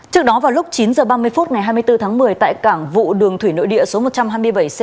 trước đó vào lúc chín h ba mươi phút ngày hai mươi bốn tháng một mươi tại cảng vụ đường thủy nội địa số một trăm hai mươi bảy c